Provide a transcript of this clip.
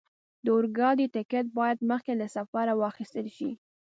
د اورګاډي ټکټ باید مخکې له سفره واخستل شي.